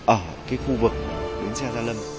ở cái khu vực đến gia lâm